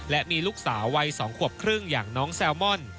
และมีลูกสาววัย๒ขวบครึ่งอย่างน้องแซลมอน